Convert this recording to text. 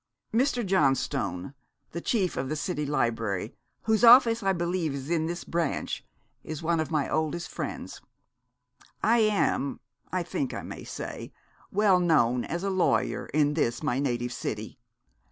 Mr. Johnstone, the chief of the city library, whose office I believe to be in this branch, is one of my oldest friends. I am, I think I may say, well known as a lawyer in this my native city.